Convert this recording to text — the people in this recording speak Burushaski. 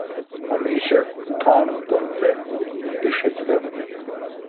Hamiiśa tʰaanum tom ce tiṣ yaćila.